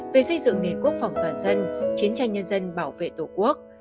về xây dựng nền quốc phòng toàn dân chiến tranh nhân dân bảo vệ tổ quốc